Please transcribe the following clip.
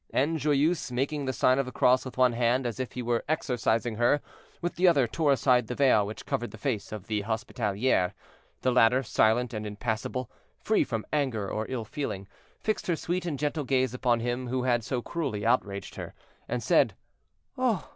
And Joyeuse, making the sign of the cross with one hand, as if he were exorcising her, with the other tore aside the veil which covered the face of the hospitalière; the latter, silent and impassible, free from anger or ill feeling, fixed her sweet and gentle gaze upon him who had so cruelly outraged her, and said: "Oh!